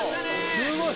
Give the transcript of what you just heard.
すごい！